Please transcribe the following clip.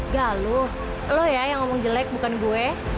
galuh lo ya yang ngomong jelek bukan gue